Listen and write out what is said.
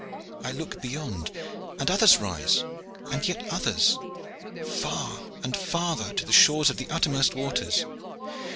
I look beyond, and others rise, and yet others, far and farther to the shores of the uttermost waters.